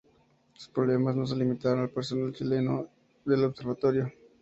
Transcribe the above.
Sus problemas no se limitaron al personal chileno del Observatorio.